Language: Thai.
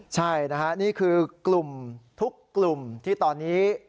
ใช่นะฮะนี่คือกลุ่มทุกกลุ่มที่ตอนนี้